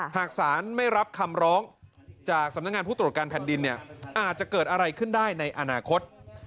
หากศาลไม่รับคำร้องจากสำนักงานผู้ตรวจการแผ่นดินเนี่ยอาจจะเกิดอะไรขึ้นได้ในอนาคต